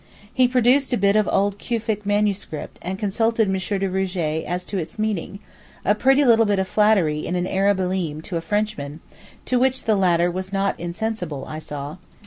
He produced a bit of old Cufic MS. and consulted M. de R. as to its meaning—a pretty little bit of flattery in an Arab Alim to a Frenchman, to which the latter was not insensible, I saw.